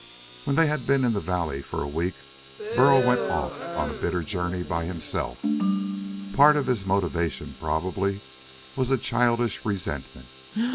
When they had been in the valley for a week Burl went off on a bitter journey by himself. Part of his motivation, probably, was a childish resentment.